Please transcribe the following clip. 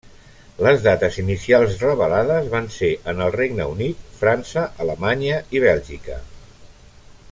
Les dates inicials revelades van ser en el Regne Unit, França, Alemanya i Bèlgica.